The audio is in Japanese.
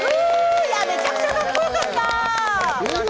めちゃくちゃかっこよかった！